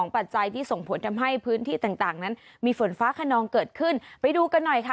ปัจจัยที่ส่งผลทำให้พื้นที่ต่างต่างนั้นมีฝนฟ้าขนองเกิดขึ้นไปดูกันหน่อยค่ะ